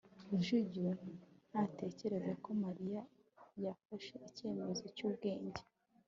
rujugiro ntatekereza ko mariya yafashe icyemezo cyubwenge